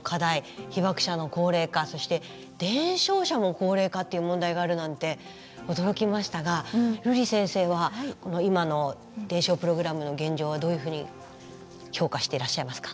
「被爆者の高齢化」そして「伝承者も高齢化」っていう問題があるなんて驚きましたが瑠璃先生はこの今の伝承プログラムの現状はどういうふうに評価していらっしゃいますか？